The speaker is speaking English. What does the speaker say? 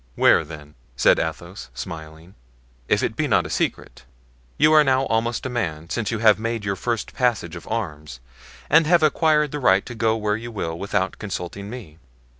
"Where, then?" said Athos, smiling, "if it be not a secret. You are now almost a man, since you have made your first passage of arms, and have acquired the right to go where you will without consulting me."